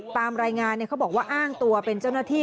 ตามรายงานเขาบอกว่าอ้างตัวเป็นเจ้าหน้าที่